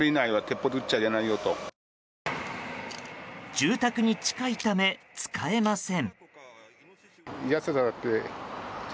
住宅に近いため、使えません。